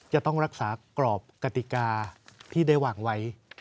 จะต้องรักษากรอบกติกาที่ได้วางไว้